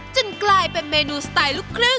จนกลายเป็นเมนูสไตล์ลุก